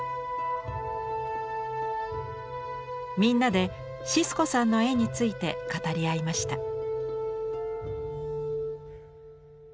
みんなでシスコさんの絵について語り合いました。